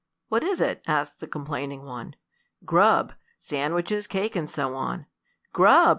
"What is it?" asked the complaining one. "Grub! Sandwiches, cake and so on." "Grub!"